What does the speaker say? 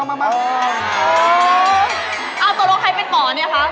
เอาตลอดใครเป็นป๋อไงครับ